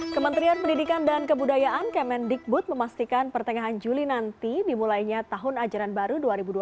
kementerian pendidikan dan kebudayaan kemen dikbud memastikan pertengahan juli nanti dimulainya tahun ajaran baru dua ribu dua puluh dua ribu dua puluh satu